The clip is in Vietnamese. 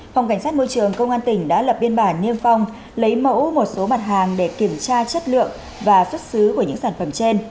phòng cảnh sát môi trường công an tỉnh đã lập biên bản niêm phong lấy mẫu một số mặt hàng để kiểm tra chất lượng và xuất xứ của những sản phẩm trên